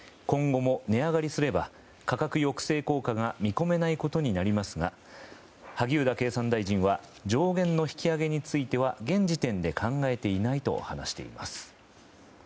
今後も値上がりすれば価格抑制効果が見込めないことになりますが萩生田経産大臣は上限の引き上げについては現時点で考えていないと話しています。